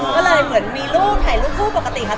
ก็เลยเหมือนมีรูปถ่ายรูปคู่ปกติค่ะ